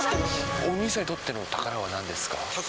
お兄さんにとっての宝はなんですか。